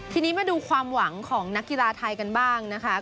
ทีนี้มาดูความหวังของนักกีฬาไทยกันบ้างนะคะ